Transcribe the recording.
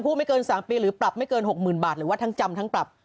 ผู้ใดกระทำเพื่อฉนองความค